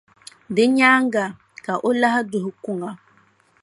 Di nyaaŋa ka o lahi duhi kuŋa.